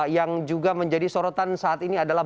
yang juga menjadi sorotan saat ini adalah